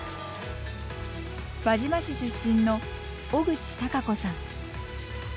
輪島市出身の小口貴子さん。